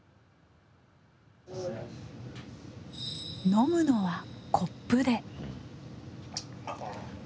飲むのはコップで。